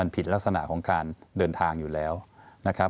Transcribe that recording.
ผิดลักษณะของการเดินทางอยู่แล้วนะครับ